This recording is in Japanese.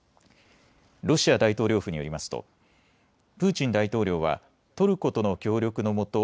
ロシア大統領府によりますとプーチン大統領はトルコとの協力のもと